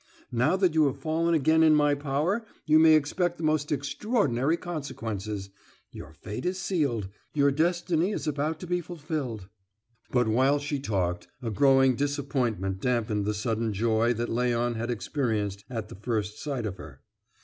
Now that you have fallen again in my power, you may expect the most extraordinary consequences. Your fate is sealed, your destiny is about to be fulfilled." But while she talked a growing disappointment damped the sudden joy that Léon had experienced at the first sight of her.